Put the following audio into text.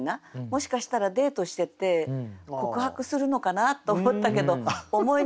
もしかしたらデートしてて告白するのかなと思ったけど思い